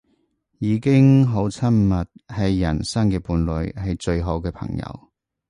已經好親密，係人生嘅伴侶，係最好嘅朋友